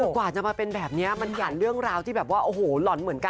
กว่าจะมาเป็นแบบนี้มันหั่นเรื่องราวที่แบบว่าโอ้โหหล่อนเหมือนกัน